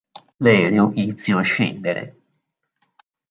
L'aereo iniziò a scendere.